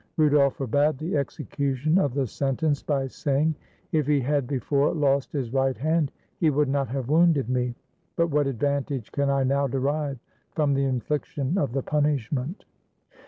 Ru dolf forbade the execution of the sentence by saying, "If he had before lost his right hand, he would not have wounded me; but what advantage can I now derive from the infliction of the punishment?"